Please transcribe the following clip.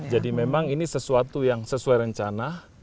jadi memang ini sesuatu yang sesuai rencana